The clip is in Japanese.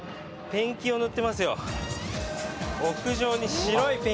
ペンキを塗ってますよ。